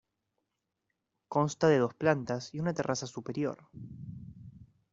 Consta de dos plantas y una terraza superior.